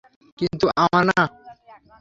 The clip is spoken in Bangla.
কিন্তু আমার না।